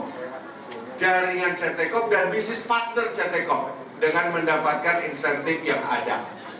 untuk jaringan ct corp dan bisnis partner ct corp dengan mendapatkan insentif yang ada